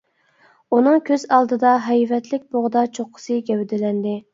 ئۇنىڭ كۆز ئالدىدا ھەيۋەتلىك بوغدا چوققىسى گەۋدىلەندى.